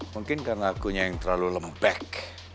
mungkin karena akunya yang terlalu lempek